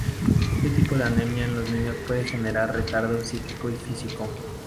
Este tipo de anemia en los niños puede generar retardo psíquico y físico.